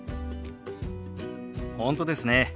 本当ですね。